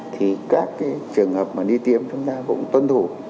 thì các trường hợp mà đi tiêm chúng ta cũng tuân thủ